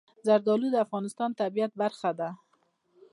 زردالو د افغانستان د طبیعت برخه ده.